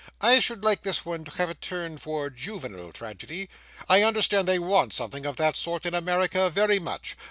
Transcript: I should like this one to have a turn for juvenile tragedy; I understand they want something of that sort in America very much.